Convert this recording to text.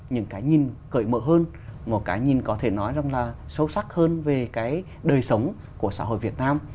những cái nhìn cởi mở hơn một cái nhìn có thể nói rằng là sâu sắc hơn về cái đời sống của xã hội việt nam